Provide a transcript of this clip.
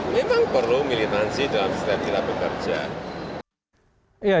memang perlu militansi dalam setiap kita bekerja